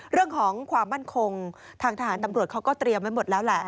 เรื่องของความมั่นคงทางทหารตำรวจเขาก็เตรียมไว้หมดแล้วแหละ